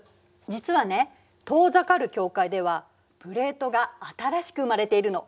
実はね遠ざかる境界ではプレートが新しく生まれているの。